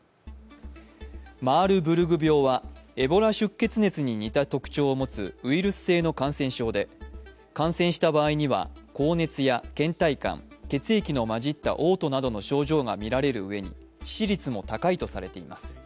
マールブルグ病はエボラ出血熱に似た特徴を持つウイルス性の感染症で、感染した場合には高熱やけん怠感、血液の交じったおう吐などの症状がみられる上に致死率も高いとされています。